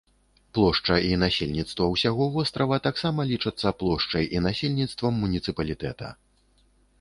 Плошча і насельніцтва ўсяго вострава таксама лічацца плошчай і насельніцтвам муніцыпалітэта.